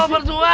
oh lo berdua